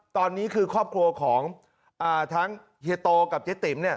ตอนนี้คือครอบครัวของทั้งเฮียโตกับเจ๊ติ๋มเนี่ย